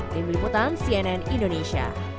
tim liputan cnn indonesia